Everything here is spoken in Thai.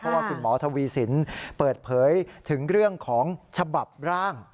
เพราะว่าคุณหมอทวีสินเปิดเผยถึงเรื่องของฉบับร่าง